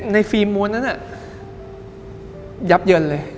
ในฟิล์มโมทนั้นยับเยินเลย